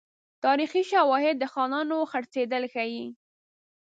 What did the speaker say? تاریخي شواهد د خانانو خرڅېدل ښيي.